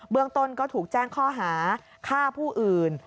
เมืองต้นก็ถูกแจ้งข้อหาฆ่าผู้อื่น